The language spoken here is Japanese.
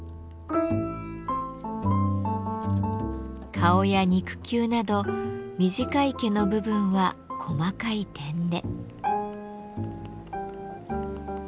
顔や肉球など短い毛の部分は細かい点で。